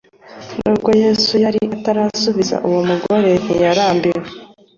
Nubwo Yesu yari atarasubiza, uwo mugore ntiyarambiwe.